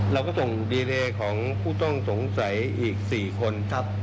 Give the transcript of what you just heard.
เราก็ส่งดีเอเนเอของผู้ต้องสงสัยอีก๔คน